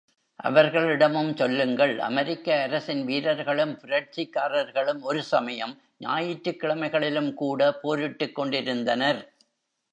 அவர்களிடமும் சொல்லுங்கள் அமெரிக்க அரசின் வீரர்களும் புரட்சிக்காரர்களும் ஒரு சமயம் ஞாயிற்றுக் கிழமைகளிலும் கூட போரிட்டுக் கொண்டிருந்தனர்.